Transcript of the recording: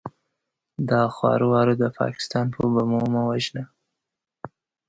دا خواره واره د پاکستان په بمو مه وژنه!